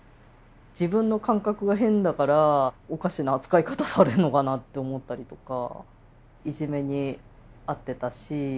自分の感覚が変だからおかしな扱い方されるのかなって思ったりとかいじめに遭ってたし。